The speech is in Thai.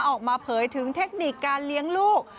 ออกมาเผยถึงเทคนิคการเลี้ยงลูก